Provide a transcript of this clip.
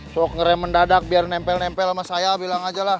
soal ngerem mendadak biar nempel nempel sama saya bilang aja lah